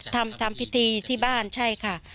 ทำทำพิธีที่บ้านใช่ค่ะ